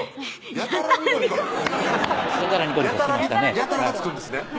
「やたら」が付くんですね